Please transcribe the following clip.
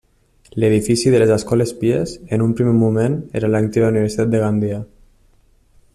L'edifici de les Escoles Pies en un primer moment era l'antiga universitat de Gandia.